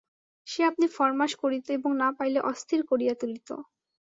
সে আপনি ফরমাশ করিত এবং না পাইলে অস্থির করিয়া তুলিত।